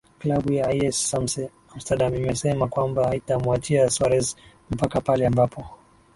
klabu ya iyes samse amsterdam imesema kwamba haitamwachia swarez mpaka pale ambapo